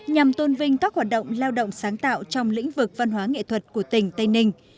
nhằm tôn vinh các hoạt động lao động sáng tạo trong lĩnh vực văn hóa nghệ thuật của tỉnh tây ninh